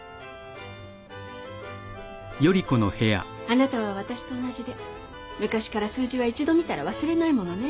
あなたは私と同じで昔から数字は一度見たら忘れないものね。